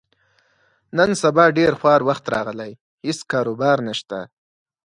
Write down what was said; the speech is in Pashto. نن سبا ډېر خوار وخت راغلی، هېڅ کاروبار نشته.